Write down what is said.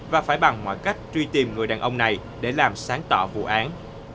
và phải bằng mọi cách truy tìm người đàn ông này để làm sáng tỏ vụ án